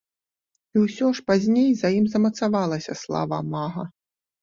І ўсё ж пазней за ім замацавалася слава мага.